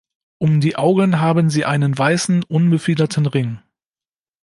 Um die Augen haben sie einen weißen, unbefiederten Ring.